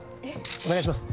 お願いします。